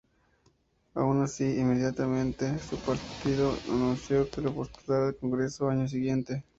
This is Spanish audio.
Aun así, inmediatamente su partido anuncio que lo postularía al Congreso al año siguiente.